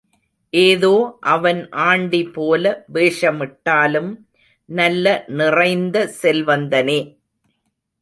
ஏதோ அவன் ஆண்டிபோல வேஷமிட்டாலும் நல்ல நிறைந்த செல்வந்தனே.